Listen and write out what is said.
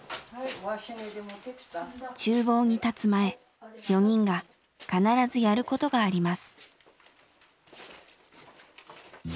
ちゅう房に立つ前４人が必ずやることがあります。